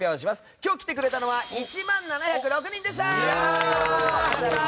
今日、来てくれたのは１万７０６人でした！